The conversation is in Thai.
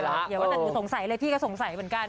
แต่หนูสงสัยเลยพี่ก็สงสัยเหมือนกัน